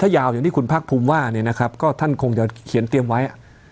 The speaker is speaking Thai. ยาวอย่างที่คุณพักภูมิว่าเนี่ยนะครับก็ท่านคงจะเขียนเตรียมไว้